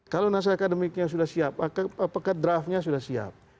kalau nasa akademiknya sudah siap apakah draftnya sudah siap